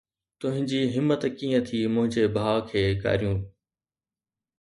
تنهنجي همت ڪيئن ٿي منهنجي ڀاءُ کي گاريون